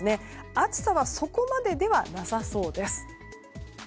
暑さはそこまでではなさそうです。